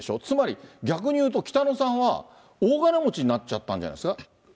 つまり、逆にいうと北野さんは、大金持ちになっちゃったんじゃないですか。